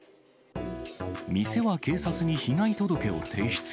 店は警察に被害届を提出。